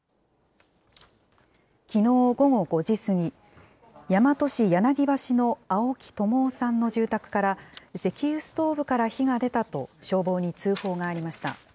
きのう午後５時過ぎ、大和市柳橋の青木ともおさんの住宅から、石油ストーブから火が出たと消防に通報がありました。